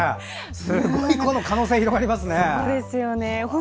すごい可能性が広がりますね。